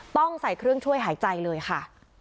ต้องใส่เครื่องช่วยหายใจเลยค่ะ